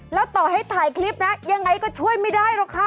แล้วต่อให้ถ่ายคลิปนะยังไงก็ช่วยไม่ได้หรอกค่ะ